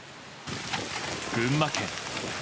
群馬県。